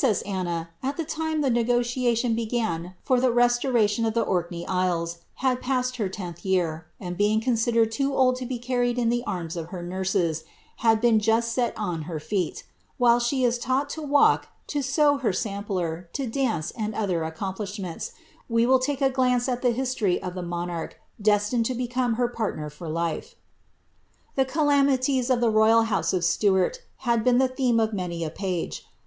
* Melville s MemmiB, 336 ANNE OP DENMARK. The priDcem Anna, at tlie lime llie negotiaiion began for the mlorv tion of the Orkney isles, had passed her tenth year, and, being wo sjdercil loo old lo be carried in the arms of her nurses, bad been juil M on her feet. While she is taught to « aik, to sew her sampler, to daon, and other accomplishments, we will take a glsDce at the history of ibt monarch destined lo become her partner for life. The calamities of the royal honse of Siuarl have been the (beiM af many n page.